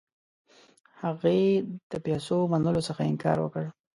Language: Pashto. هغې د پیسو منلو څخه انکار وکړ.